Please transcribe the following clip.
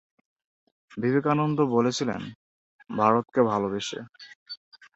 বিবেকানন্দ বলেছিলেন, "ভারতকে ভালবেসে"।